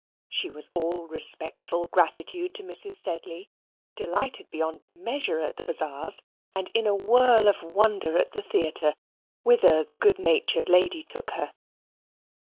She was all respectful gratitude to Mrs. Sedley; delighted beyond measure at the Bazaars; and in a whirl of wonder at the theatre, whither the good natured lady took her.